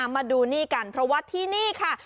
มาดูนี่กันเพราะว่าที่นี่ค่ะ